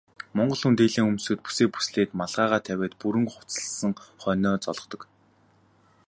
Монгол хүн дээлээ өмсөөд, бүсээ бүслээд малгайгаа тавиад бүрэн хувцасласан хойноо золгодог.